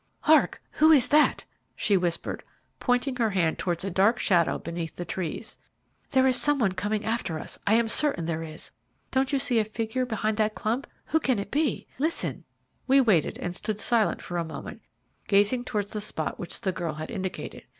"Hark! Who is that?" she whispered, pointing her hand towards a dark shadow beneath the trees. "There is some one coming after us, I am certain there is. Don't you see a figure behind that clump? Who can it be? Listen." We waited and stood silent for a moment, gazing towards the spot which the girl had indicated.